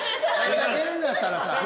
ふざけるんだったらさ。